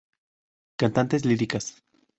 Cantantes líricas